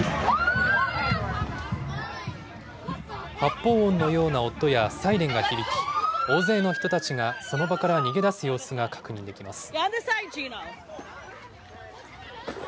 発砲音のような音やサイレンが響き、大勢の人たちがその場から逃げ出す様子が確認できます。